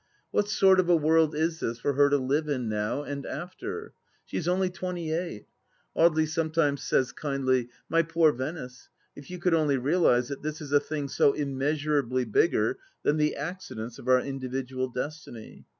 What sort of d world is this for her to live in now, and after ? She is only twenty eight. Audely sometimes says kindly, " My poor Venice, if you could only realize that this is a thing so immeasurably bigger than the accidents of our individual destiny